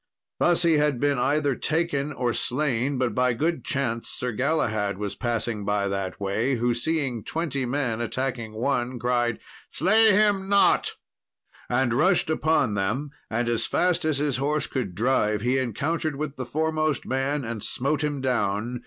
Thus he had been either taken or slain, but by good chance Sir Galahad was passing by that way, who, seeing twenty men attacking one, cried, "Slay him not," and rushed upon them; and, as fast as his horse could drive, he encountered with the foremost man, and smote him down.